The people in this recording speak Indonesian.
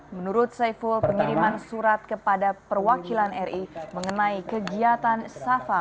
menurut saiful pengiriman surat kepada perwakilan ri mengenai kegiatan safa